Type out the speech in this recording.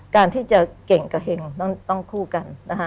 การที่จะเก่งกับเห็งต้องคู่กันนะคะ